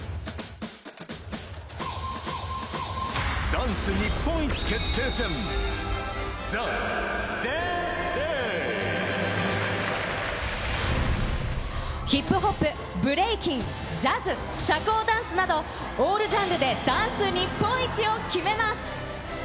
ダンス日本一決定戦、ＴＨＥヒップホップ、ブレイキン、ジャズ、社交ダンスなど、オールジャンルでダンス日本一を決めます。